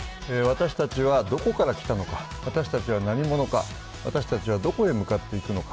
「私たちはどこから来たのか私たちは何者か私たちはどこへ向かっていくのか」